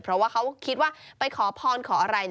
เพราะว่าเขาคิดว่าไปขอพรขออะไร